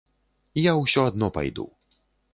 Я ўсё адно пайду.